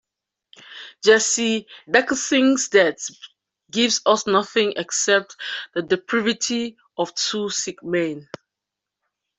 "Jesse Dirkhising's death gives us nothing except the depravity of two sick men.